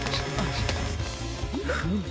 フム。